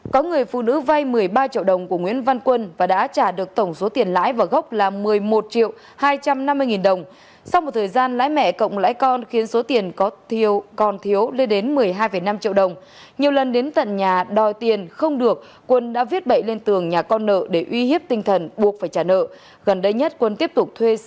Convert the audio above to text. công an quận một mươi hai tp hcm cho biết đang củng cố ý làm hư hỏng tài lệ